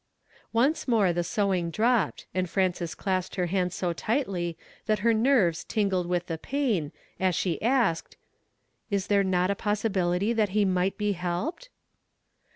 Once more the sewing dropped, and Frances clasped her hands so tightly that her nerves tingled with the piiin, as she asked, — "Is there not a possibility that he might be helped